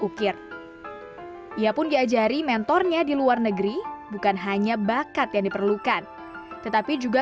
ukir ia pun diajari mentornya di luar negeri bukan hanya bakat yang diperlukan tetapi juga